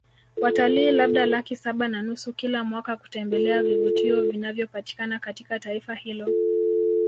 Watalii labda laki saba na nusu kila mwaka kutembelea vivutio vinavyopatikana katika taifa hilo